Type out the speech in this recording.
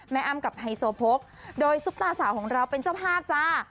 อ้ำกับไฮโซโพกโดยซุปตาสาวของเราเป็นเจ้าภาพจ้า